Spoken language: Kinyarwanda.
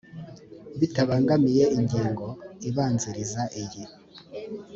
bitabangamiye ingingo ibanziriza iyi